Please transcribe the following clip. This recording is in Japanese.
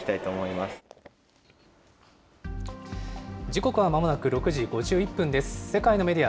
時刻はまもなく６時５１分です。